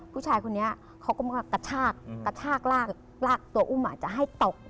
ผู้ชายคนนี้เขาก็มากระชากระกตัวอุ้มอาจจะให้ตก